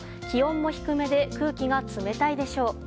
気温も低めで空気が冷たいでしょう。